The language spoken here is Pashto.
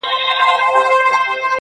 اوس چي د مځكي كرې اور اخيستـــــى,